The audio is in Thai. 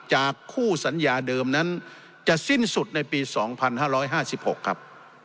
คู่สัญญาเดิมนั้นจะสิ้นสุดในปี๒๕๕๖ครับ